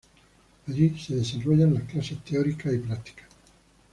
Allí se desarrollan las clases teóricas y prácticas.